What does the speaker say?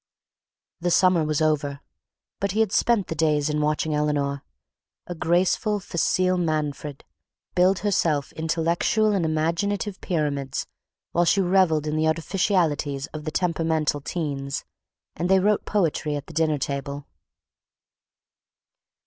The summer was over, but he had spent the days in watching Eleanor, a graceful, facile Manfred, build herself intellectual and imaginative pyramids while she revelled in the artificialities of the temperamental teens and they wrote poetry at the dinner table.